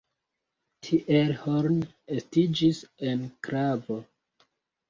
Tiel Horn estiĝis enklavo.